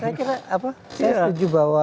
saya setuju bahwa